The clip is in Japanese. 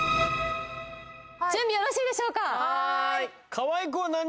準備よろしいでしょうかはーい！